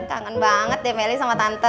kangen banget deh meli sama tante